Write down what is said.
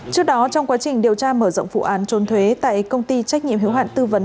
trước đó trong quá trình điều tra mở rộng vụ án trốn thuế tại công ty trách nhiệm hiếu hạn tư vấn